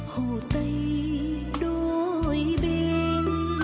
hồ tây đôi bên